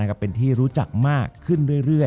จบการโรงแรมจบการโรงแรม